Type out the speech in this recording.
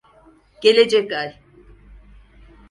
Gelecek ay.